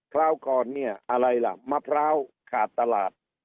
คราวก่อนเนี่ยอะไรล่ะมะพร้าวขาดตลาด